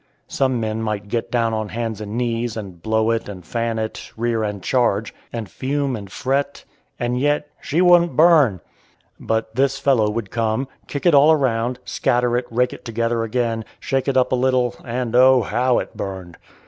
Some men might get down on hands and knees, and blow it and fan it, rear and charge, and fume and fret, and yet "she wouldn't burn." But this fellow would come, kick it all around, scatter it, rake it together again, shake it up a little, and oh, how it burned!